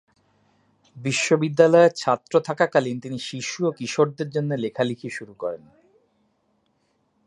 বিশ্ববিদ্যালয়ের ছাত্র থাকাকালীন তিনি শিশু ও কিশোরদের জন্য লেখালেখি শুরু করেন।